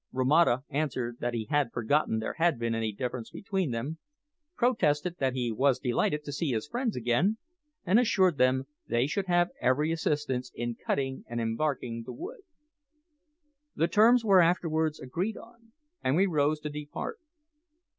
Romata answered that he had forgotten there had been any differences between them, protested that he was delighted to see his friends again, and assured them they should have every assistance in cutting and embarking the wood. The terms were afterwards agreed on, and we rose to depart.